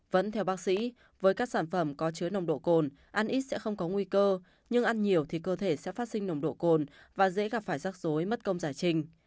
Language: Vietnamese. vẫn theo bác sĩ với các sản phẩm có chứa nồng độ cồn ăn ít sẽ không có nguy cơ nhưng ăn nhiều thì cơ thể sẽ phát sinh nồng độ cồn và dễ gặp phải rắc rối mất công giải trình